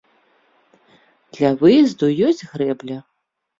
Для выезду ёсць грэбля.